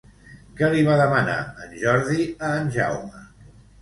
Què li va demanar en Jordi a en Jaume?